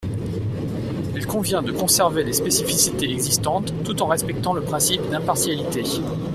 Il convient de conserver les spécificités existantes tout en respectant le principe d’impartialité.